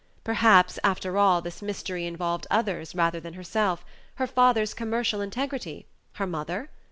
Perhaps, after all, this mystery involved others rather than herself her father's commercial integrity her mother?